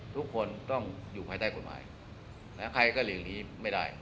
ทุกคนต้องอยู่ภายใต้กฎหมายใครก็หลีกเลี้ไม่ได้